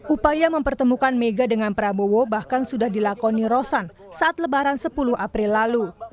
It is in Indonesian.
upaya mempertemukan mega dengan prabowo bahkan sudah dilakoni rosan saat lebaran sepuluh april lalu